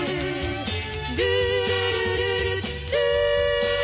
「ルールルルルルー」